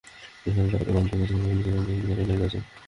পেছনের ডানার প্রান্ত খাঁজকাটা এবং নিচের প্রান্তে একটি করে লেজ আছে।